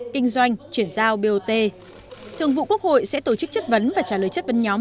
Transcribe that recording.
kinh doanh chuyển giao bot thường vụ quốc hội sẽ tổ chức chất vấn và trả lời chất vấn nhóm